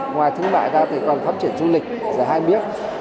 ngoài thương mại ta thì còn phát triển du lịch giả hai miếng